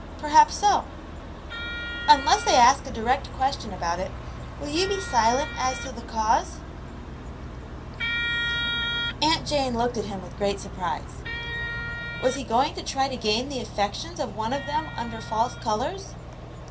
'*'* Perhaps so." *" Unless they ask a direct question about it, will you be silent as to the cause ?" Aunt Jane looked at him with great surprise. Was he going to try to gain the affections of one of them under false colors